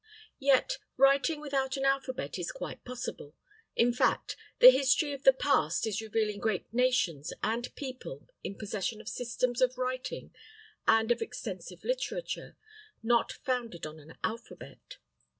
Yet writing without an alphabet is quite possible. In fact, the history of the past is revealing great nations and people in possession of systems of writing and of extensive literature, not founded on an alphabet.